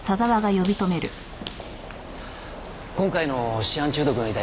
今回のシアン中毒の遺体のうち